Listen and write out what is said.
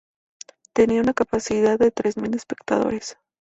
Tenía una capacidad de tres mil espectadores.